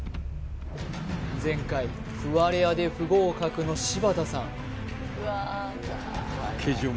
前回ふわれあで不合格の柴田さん